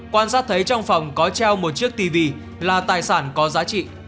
quan sát thấy trong phòng có treo một chiếc tv là tài sản có giá trị